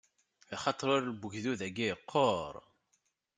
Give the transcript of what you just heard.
Axaṭer ul n ugdud-agi yeqqur!